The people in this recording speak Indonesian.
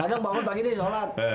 kadang bangun pagi ini sholat